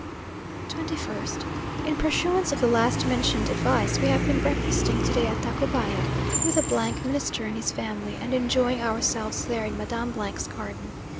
21st. In pursuance of the last mentioned advice, we have been breakfasting to day at Tacubaya, with the Minister and his family, and enjoying ourselves there in Madame 's garden.